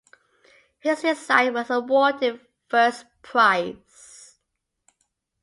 His design was awarded first prize.